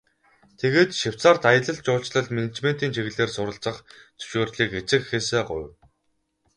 Тэгээд Швейцарьт аялал жуулчлал, менежментийн чиглэлээр суралцах зөвшөөрлийг эцэг эхээсээ гуйв.